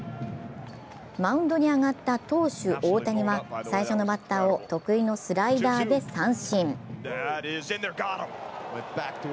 マウンドに上がった投手・大谷は最初のバッターを得意のスライダーで三振。